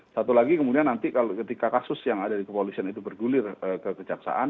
satu lagi kemudian nanti ketika kasus yang ada di kepolisian itu bergulir ke kejaksaan